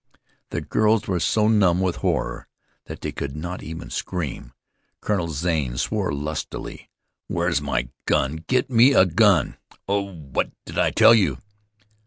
The girls were so numb with horror that they could not even scream. Colonel Zane swore lustily. "Where's my gun? Get me a gun. Oh! What did I tell you?"